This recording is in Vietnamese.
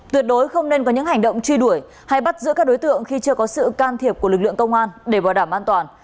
tuyệt đối không nên có những hành động truy đuổi hay bắt giữ các đối tượng khi chưa có sự can thiệp của lực lượng công an để bảo đảm an toàn